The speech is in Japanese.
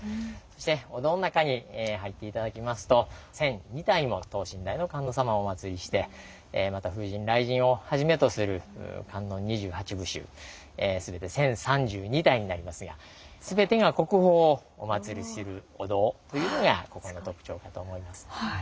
そしてお堂の中に入って頂きますと１，００２体もの等身大の観音様をおまつりしてまた風神雷神をはじめとする観音二十八部衆全て１，０３２体になりますがというのがここの特徴かと思います。